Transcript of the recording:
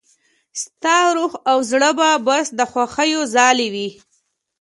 ستا روح او زړه به بس د خوښيو ځالې وي.